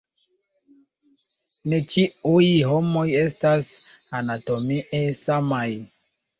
Ne ĉiuj homoj estas anatomie samaj.